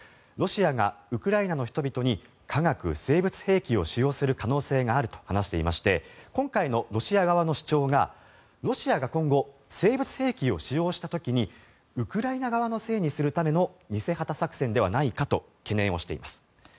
ロシアがウクライナの人々に化学・生物兵器を使用する可能性があると話していまして今回のロシア側の主張がロシアが今後、生物兵器を使用した時にウクライナ側のせいにするための偽旗作戦ではないかと懸念をしています。